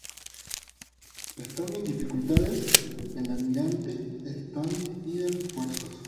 Estando en dificultades, el almirante d'Estaing pide refuerzos.